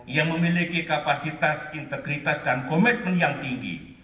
yang memiliki kapasitas integritas dan komitmen yang tinggi